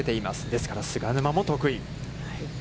ですから、菅沼も得意。